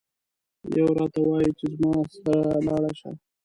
یو ورته وایي چې زما سره لاړشه.